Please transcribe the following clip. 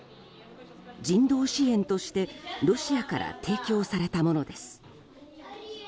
人道支援としてロシアから提供されたものです。